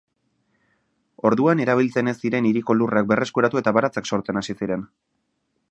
Orduan, erabiltzen ez ziren hiriko lurrak berreskuratu eta baratzak sortzen hasi ziren.